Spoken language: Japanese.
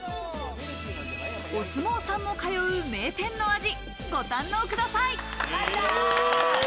お相撲さんも通う名店の味、ご堪能ください。